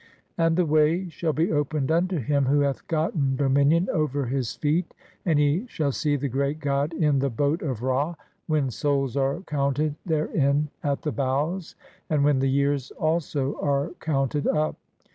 "And the way shall be opened unto him who hath (5) gotten "dominion over his feet, and he shall see the Great God in the "Boat of Ra, [when] souls are counted therein at the bows, (6) "and when the years also are counted up.